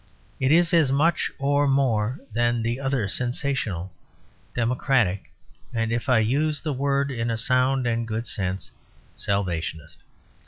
It is as much or more than the other sensational, democratic, and (I use the word in a sound and good sense) Salvationist.